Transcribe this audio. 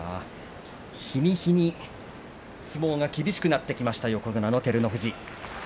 日に日に相撲が厳しくなってきました横綱の照ノ富士。